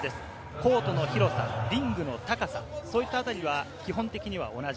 コートの広さ、リングの高さ、そういったあたりは基本的には同じ。